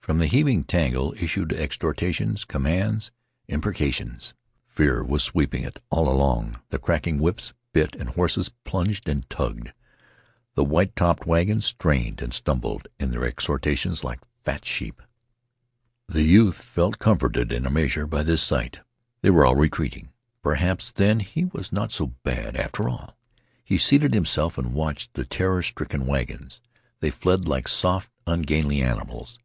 From the heaving tangle issued exhortations, commands, imprecations. Fear was sweeping it all along. The cracking whips bit and horses plunged and tugged. The white topped wagons strained and stumbled in their exertions like fat sheep. The youth felt comforted in a measure by this sight. They were all retreating. Perhaps, then, he was not so bad after all. He seated himself and watched the terror stricken wagons. They fled like soft, ungainly animals.